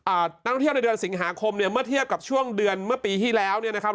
นักท่องเที่ยวในเดือนสิงหาคมเนี่ยเมื่อเทียบกับช่วงเดือนเมื่อปีที่แล้วเนี่ยนะครับ